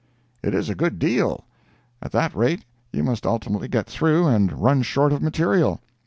"It is a good deal. At that rate, you must ultimately get through, and run short of material."